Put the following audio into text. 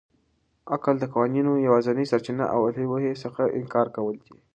عقل د قوانینو یوازنۍ سرچینه او د الهي وحي څخه انکار کول دي.